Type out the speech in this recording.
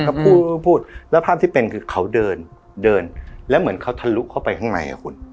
ก็พูดพูดแล้วภาพที่เป็นคือเขาเดินเดินแล้วเหมือนเขาทะลุเข้าไปข้างในอ่ะคุณ